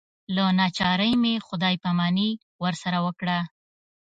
له ناچارۍ مې خدای پاماني ورسره وکړه.